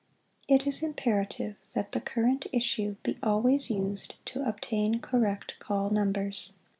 It is imperative that the current issue be always used to obtain correct call numbers.